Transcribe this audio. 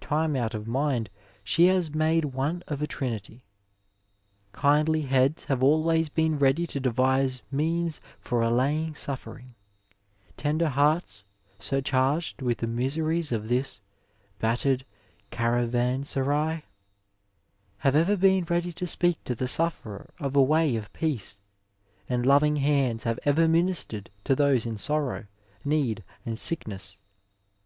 Time out of mind she has made one of a trinity. Kindly heads have always been ready to devise means for allajmig suffering [ tender hearts, surcharged with the miseries of this '' battered caravanserai," have ever been ready to speak to the sufferer of a way of peace, and loving hands have ever ministered to those in sorrow, need and sickness.